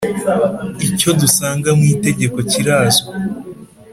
icyo dusanga mu Itegeko kirazwi